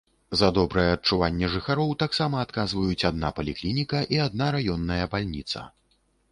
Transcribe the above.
За добрае адчуванне жыхароў таксама адказваюць адна паліклініка і адна раённая бальніца.